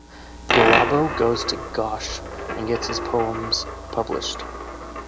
Gulabo goes to Ghosh and gets his poems published.